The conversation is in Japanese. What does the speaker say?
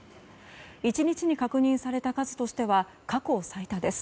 １日に確認された数としては過去最多です。